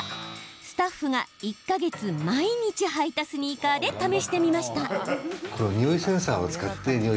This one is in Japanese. スタッフが１か月毎日履いたスニーカーで試してみました。